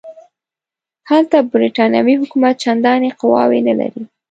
هلته برټانوي حکومت چنداني قواوې نه لري.